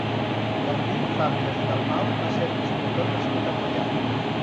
Camil Fàbregas i Dalmau va ser un escultor nascut a Moià.